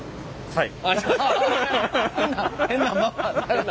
はい。